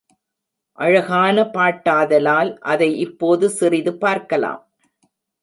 அழகான பாட்டாதலால் அதை இப்போது சிறிது பார்க்கலாம்.